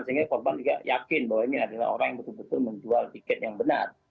sehingga korban juga yakin bahwa ini adalah orang yang betul betul menjual tiket yang benar